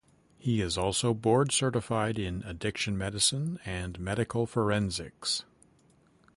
He is also board certified in Addiction Medicine and Medical Forensics.